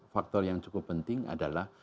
faktor yang cukup penting adalah